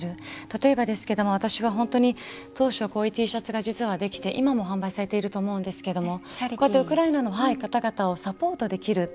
例えばですけども私は本当に当初こういうＴシャツが実はできて今も販売されていると思うんですけどもこうやってウクライナの方々をサポートできる。